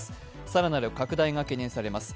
更なる拡大が懸念されます。